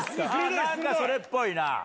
何かそれっぽいな。